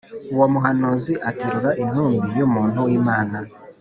Uwo muhanuzi aterura intumbi y’umuntu w’Imana